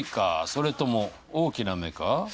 それとも大きな目か？